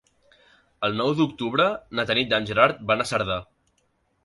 El nou d'octubre na Tanit i en Gerard van a Cerdà.